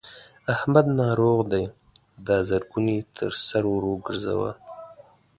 احمد ناروغ دی؛ دا زرګون يې تر سر ور ګورځوه.